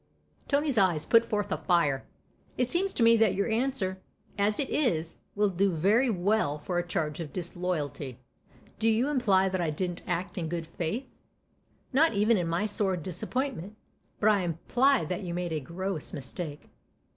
Tony's eyes put forth a fire. " It seems to me that your answer, as it is, will do very well for a. charge of disloyalty. Do you imply that I didn't act in good faith ?" "Not even in my sore disappointment. But I imply that you made a gross mistake."